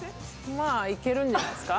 まあいけるんじゃないですか？